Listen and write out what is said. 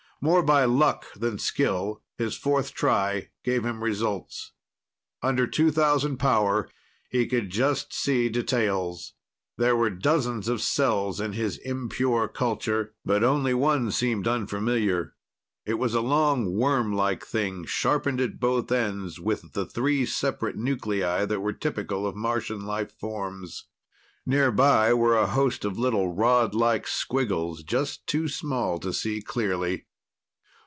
More by luck than skill, his fourth try gave him results. Under two thousand powers, he could just see details. There were dozens of cells in his impure culture, but only one seemed unfamiliar. It was a long, worm like thing, sharpened at both ends, with the three separate nuclei that were typical of Martian life forms. Nearby were a host of little rodlike squiggles just too small to see clearly.